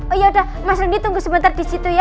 oh yaudah mas randy tunggu sebentar di situ ya